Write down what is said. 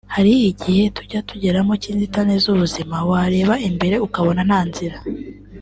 Hari igihe tujya tugeramo cy'inzitane z'ubuzima wareba imbere ukabona nta nzira